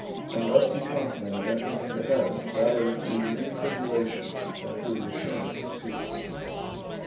And thus be confident of entering into heaven rather through many tribulations, than through the assurance of peace.